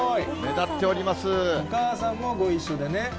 お母さんもご一緒でね。